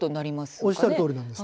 おっしゃるとおりです。